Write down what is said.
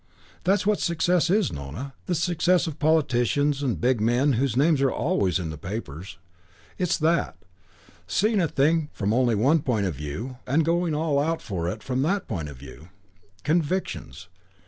That's what success is, Nona, the success of politicians and big men whose names are always in the papers. It's that: seeing a thing from only one point of view and going all out for it from that point of view. Convictions.